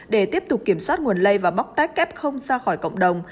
để tiếp tục kiểm soát nguồn lây và bóc tách kép không ra khỏi cộng đồng